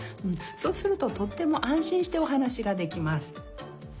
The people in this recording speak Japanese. そうするととってもあんしんしておはなしができます。